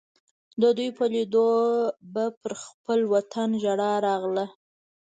د دوی په لیدو به پر خپل وطن ژړا راغله.